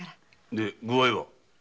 で具合は？